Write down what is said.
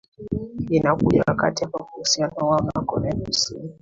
inakuja wakati ambapo uhusiano wao na korea kusini